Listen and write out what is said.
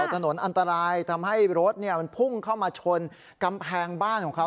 ถนนอันตรายทำให้รถมันพุ่งเข้ามาชนกำแพงบ้านของเขา